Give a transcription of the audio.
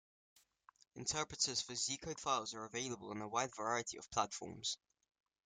Interpreters for Z-code files are available on a wide variety of platforms.